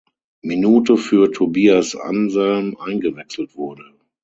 Minute für Tobias Anselm eingewechselt wurde.